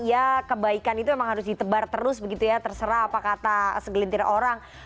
ya kebaikan itu memang harus ditebar terus begitu ya terserah apa kata segelintir orang